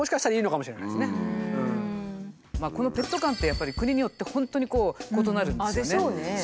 このペット観ってやっぱり国によって本当に異なるんですよね。